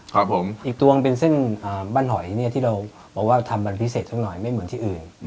ครับผมอีกตวงเป็นเส้นบ้านหอยเนี่ยที่เราบอกว่าทำมันพิเศษสักหน่อยไม่เหมือนที่อื่น